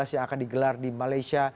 yang akan digelar di malaysia